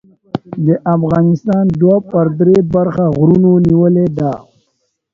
د افغانستان دوه پر درې برخه غرونو نیولې ده.